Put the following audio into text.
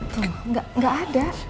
tuh gak ada